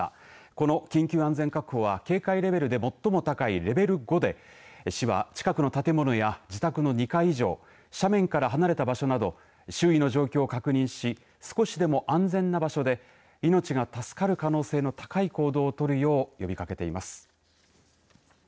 この緊急安全確保は警戒レベルで最も高いレベル５で市は近くの建物や自宅の２階以上斜面から離れた場所など周囲の状況を確認し少しでも安全な場所で命が助かる可能性の高い行動をとるよう呼びかけています。